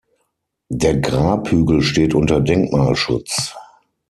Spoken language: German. Der Grabhügel steht unter Denkmalschutz.